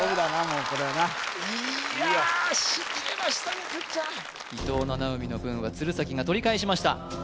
もうこれはないや伊藤七海の分は鶴崎が取り返しました